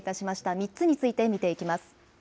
３つについて見ていきます。